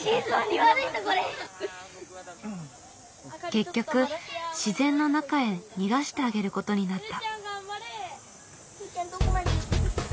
結局自然の中へ逃がしてあげることになった。